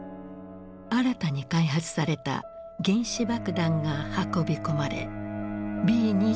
新たに開発された原子爆弾が運び込まれＢ２９に搭載された。